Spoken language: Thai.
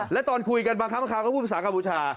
และตอนคุยกันบางคำข้าวก็พูดภาษากัมภูชา